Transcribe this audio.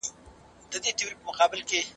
سي.